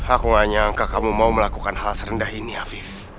aku gak nyangka kamu mau melakukan hal serendah ini afif